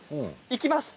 いきます。